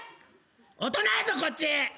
大人やぞこっち。